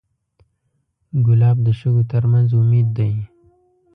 ګلاب د شګو تر منځ امید دی.